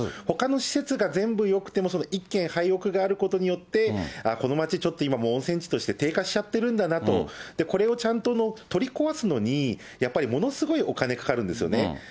ほかの施設が全部よくても、その一軒廃屋があることによって、この街、ちょっと温泉地として低下しちゃってるんだなと、これをちゃんと取り壊すのにやっぱりものすごいお金かかるんですよね。